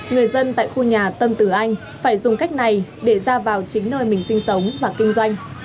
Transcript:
người dân tại khu nhà tâm tử anh phải dùng cách này để ra vào chính nơi mình sinh sống và kinh doanh